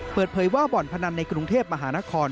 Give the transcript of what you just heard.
เปิดเผยว่าบ่อนพนันในกรุงเทพมหานคร